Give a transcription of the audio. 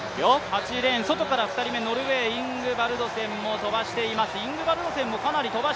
８レーン外からノルウェー、イングバルドセンも飛ばしています。